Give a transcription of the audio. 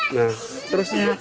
nah terus ini